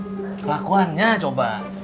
seperti yang kamu lakuin nyawa finn